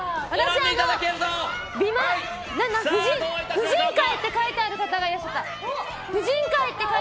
婦人会って書いてある方がいらっしゃった。